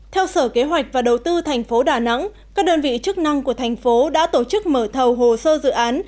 theo sở kế hoạch và đầu tư thành phố đà nẵng các đơn vị chức năng của thành phố đã tổ chức mở thầu hồ sơ dự án